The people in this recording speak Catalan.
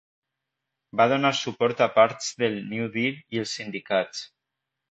Va donar suport a parts del New Deal i els sindicats.